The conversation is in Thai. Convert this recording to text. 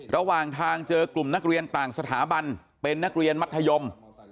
ระหว่างทางเจอกลุ่มนักเรียนต่างสถาบันเป็นนักเรียนมัธยม